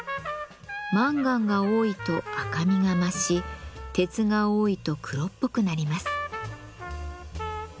マンガンが多いと赤みが増し鉄が多いと黒っぽくなります。